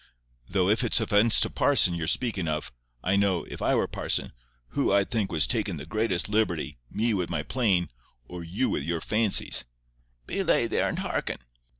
Though if it's offence to parson you're speakin' of, I know, if I were parson, who I'd think was takin' the greatest liberty, me wi' my plane, or you wi' your fancies." "Belay there, and hearken."